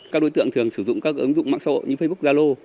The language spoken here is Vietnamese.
các đối tượng thường sử dụng các ứng dụng mạng sổ như facebook zalo